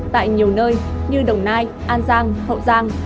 tại nhiều nơi như đồng nai an giang hậu giang